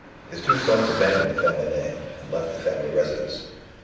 "His two sons abandoned the family name, and left the family residence.